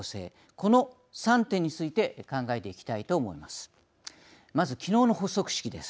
この３点について考えていきたいと思います。